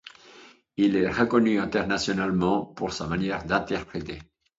Il est reconnu internationalement pour sa manière d’interpréter.